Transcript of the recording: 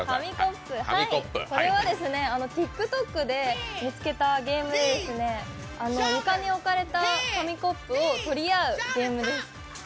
これはＴｉｋＴｏｋで見つけたゲームで、床に置かれた紙コップを取り合うゲームです。